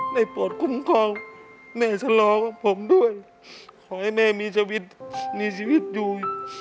ปวดคุ้มครองแม่สลอกับผมด้วยขอให้แม่มีชีวิตมีชีวิตอยู่